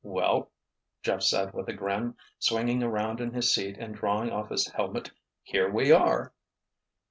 "Well," Jeff said, with a grin, swinging around in his seat and drawing off his helmet, "here we are!"